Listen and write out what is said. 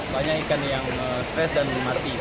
banyak ikan yang stres dan mati